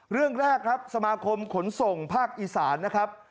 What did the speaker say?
เรื่องแรกครับสมาคมขนส่งภาคอีสานนะครับ